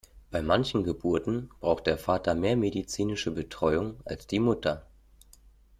Bei manchen Geburten braucht der Vater mehr medizinische Betreuung als die Mutter.